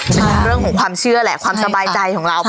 เป็นเรื่องของความเชื่อแหละความสบายใจของเรา